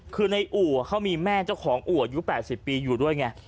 คือในอู่เขามีแม่เจ้าของอู่อายุ๘๐ปีอยู่ด้วยไง